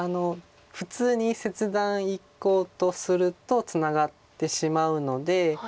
普通に切断いこうとするとツナがってしまうので。